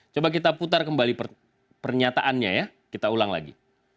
coba kita putar kembali pernyataannya ya kita ulang lagi